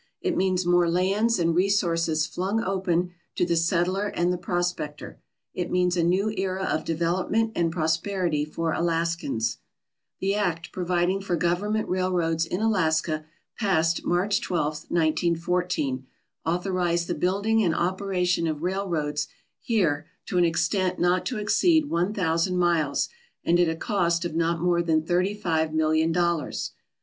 It means more lands and resources flung open to ^e settler and the prospector. It means a new era of development and prosperity for Alaskans, The act providing for government railroads in Alaska, passed March 12, 1914, authorized the building and opera tion of railroads here to an extent not to exceed one thousand miles and at a cost of not more than thirty five million dollars.